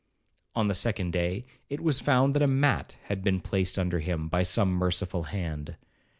On the second day, it was found that a mat had been placed under him by some merciful hand.